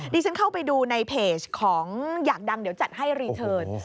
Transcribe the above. ดิฉันเข้าไปดูในเพจของอยากดังเดี๋ยวจัดให้รีเทิร์น